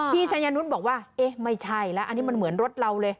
พี่ชัญญานุปิดบอกว่าไม่ใช่แล้วอันนี้เหมือนรถเราเลย